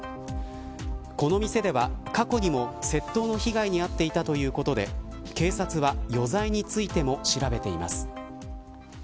この店では過去にも窃盗の被害に遭っていたということで警察は余罪についても調べています。